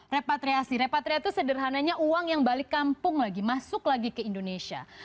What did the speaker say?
repatriasi repatriasi sederhananya uang yang balik kampung lagi masuk lagi ke indonesia